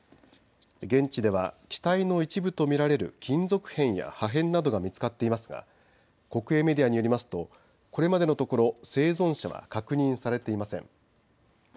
現地では機体の一部と見られる金属片や破片などが見つかっていますが国営メディアによりますとこれまでのところ生存者は確認されていません。